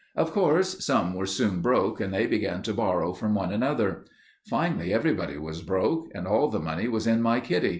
"Of course some were soon broke and they began to borrow from one another. Finally everybody was broke and all the money was in my kitty.